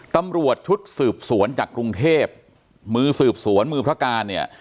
ตำรวจชุดสืบสวนจากกรุงเทพมือสืบสวนมือพระการเนี่ย